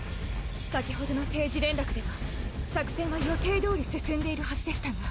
先程の定時連絡では作戦は予定通り進んでいるはずでしたが。